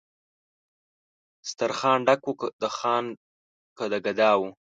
سترخان ډک و که د خان که د ګدا وو